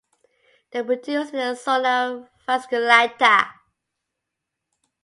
They are produced in the zona fasciculata.